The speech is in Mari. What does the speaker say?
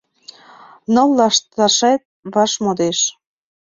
Ныл лышташет ваш модеш.